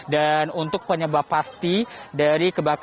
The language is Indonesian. dan untuk penyebab pasti